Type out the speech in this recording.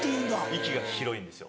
域が広いんですよ。